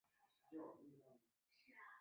野莴苣为菊科莴苣属的植物。